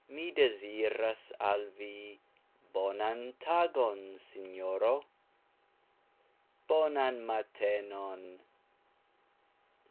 Mi deziras al vi bonan tagon, sinjoro. Bonan matenon!